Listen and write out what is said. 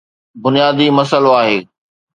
بنيادي مسئلو آهي.